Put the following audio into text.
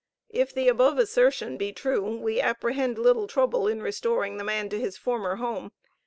If the above assertion be true, we apprehend little trouble in restoring the man to his former home.